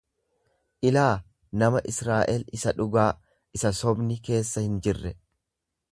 Ilaa, nama Israa'el isa dhugaa isa sobni keessa hin jirre.